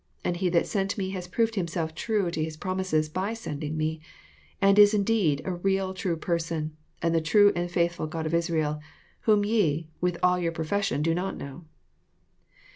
Andlle that sent me has proved Himself true to His promises by sending me, and is indeed a real true Person, the true and faithful God of Israel, whom ye, with all your profession, do not know."